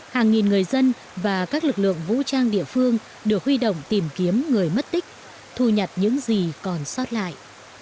hàng nghìn người dân và các lực lượng vũ trang địa phương được huy động tìm kiếm người mất tích thu nhặt những gì còn sót lại